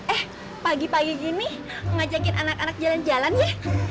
eh pagi pagi gini ngajakin anak anak jalan jalan ya